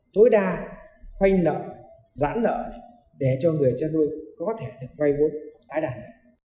tối đa khoanh lợi giãn lợi để cho người chân nuôi có thể được gây vô tái đàn